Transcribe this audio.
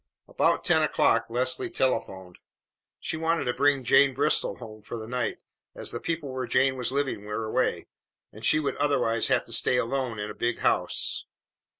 About ten o'clock Leslie telephoned. She wanted to bring Jane Bristol home for the night, as the people where Jane was living were away, and she would otherwise have to stay alone in a big house.